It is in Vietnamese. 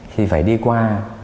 thì phải đi qua